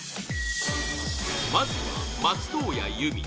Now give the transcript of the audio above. まずは松任谷由美